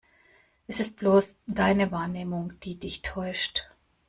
Es ist bloß deine Wahrnehmung, die dich täuscht.